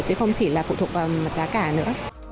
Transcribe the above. chứ không chỉ là phụ thuộc vào giá cả nữa